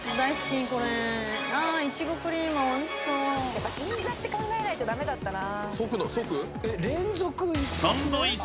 やっぱ銀座って考えないと駄目だったな。